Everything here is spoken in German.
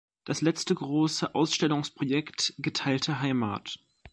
Das letzte große Ausstellungsprojekt "Geteilte Heimat.